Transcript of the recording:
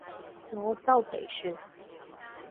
我修皮算